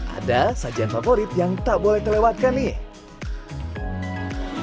ada sajian favorit yang tak boleh terlewatkan nih